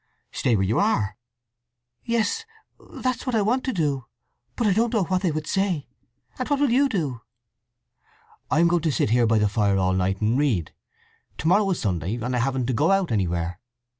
"Stay where you are." "Yes; that's what I want to do. But I don't know what they would say! And what will you do?" "I am going to sit here by the fire all night, and read. To morrow is Sunday, and I haven't to go out anywhere.